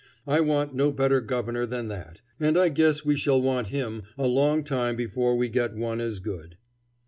I want no better Governor than that, and I guess we shall want him a long time before we get one as good.